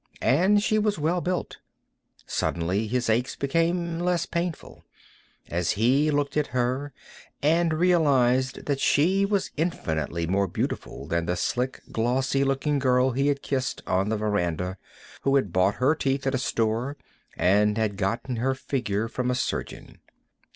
And she was well built. Suddenly his aches became less painful, as he looked at her and realized that she was infinitely more beautiful than the slick, glossy looking girl he had kissed on the veranda, who had bought her teeth at a store and had gotten her figure from a surgeon.